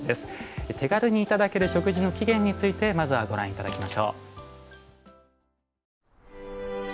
手軽に頂ける食事の起源についてまずはご覧いただきましょう。